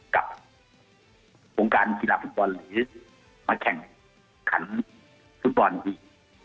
กับวงการกีฬาหรือกินโบญหรือมาแข่งถนสุดที่